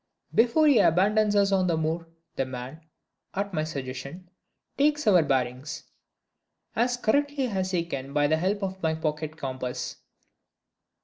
Before he abandons us on the moor, the man (at my suggestion) takes our "bearings," as correctly as he can by the help of my pocket compass.